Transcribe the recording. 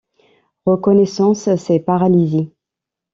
Reconnaissance, c’est paralysie.